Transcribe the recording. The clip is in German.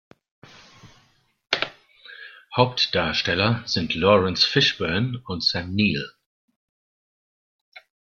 Hauptdarsteller sind Laurence Fishburne und Sam Neill.